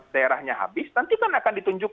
daerahnya habis nanti kan akan ditunjuk